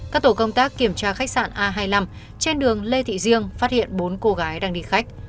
các tổ công tác kiểm tra khách sạn a hai mươi năm trên đường lê thị riêng phát hiện bốn cô gái đang đi khách